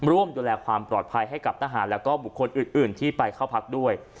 ร่วมดูแลความปลอดภัยให้กับทหารแล้วก็บุคคลอื่นที่ไปเข้าพักด้วย